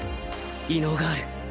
異能がある